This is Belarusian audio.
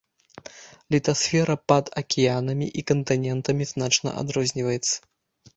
Літасфера пад акіянамі і кантынентамі значна адрозніваецца.